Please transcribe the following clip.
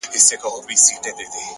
هوښیار انسان له تجربو خزانه جوړوي!